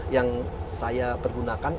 yang saya pergunakan